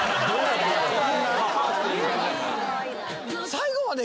最後まで。